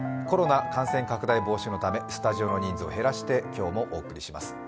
コロナ感染拡大防止のためスタジオの人数を減らしてお送りします。